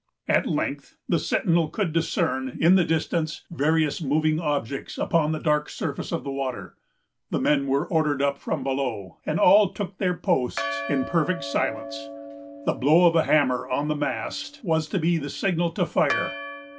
At length, the sentinel could discern, in the distance, various moving objects upon the dark surface of the water. The men were ordered up from below, and all took their posts in perfect silence. The blow of a hammer on the mast was to be the signal to fire.